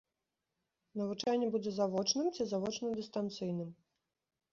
Навучанне будзе завочным ці завочна-дыстанцыйным.